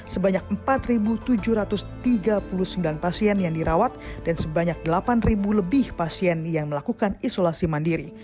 sebanyak empat tujuh ratus tiga puluh sembilan pasien yang dirawat dan sebanyak delapan lebih pasien yang melakukan isolasi mandiri